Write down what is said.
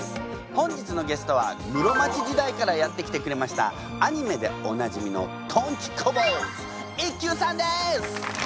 本日のゲストは室町時代からやって来てくれましたアニメでおなじみのとんち小坊主一休さんです！